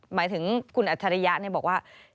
หมายถึงคุณอัจฉริยะบอกว่า